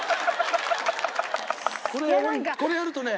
これやるとね